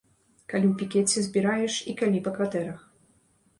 Калі ў пікеце збіраеш і калі па кватэрах.